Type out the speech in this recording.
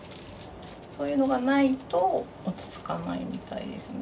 そういうのがないと落ち着かないみたいですね。